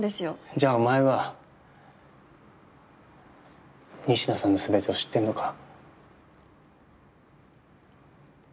じゃあお前は仁科さんの全てを知ってるのか？